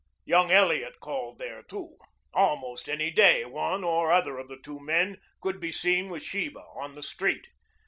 Young Elliot called there too. Almost any day one or other of the two men could be seen with Sheba on the street.